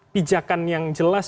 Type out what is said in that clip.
pijakan yang jelas